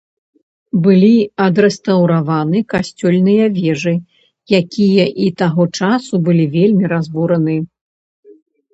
Былі адрэстаўраваны касцёльныя вежы, якія і таго часу былі вельмі разбураны.